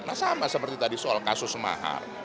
nah sama seperti tadi soal kasus mahal